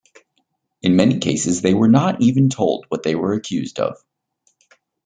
In many cases they were not even told what they were accused of.